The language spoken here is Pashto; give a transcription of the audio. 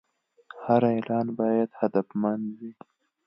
هر اعلان باید هدفمند وي.